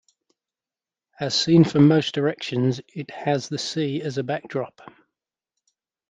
As seen from most directions it has the sea as a backdrop.